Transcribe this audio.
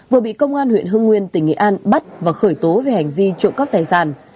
vừa bị công an huyện hương nguyên tỉnh nghệ an bắt và khởi tố về hành vi trộn cắt tài sản